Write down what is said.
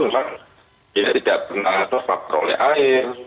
cuma tidak pernah terpapar oleh air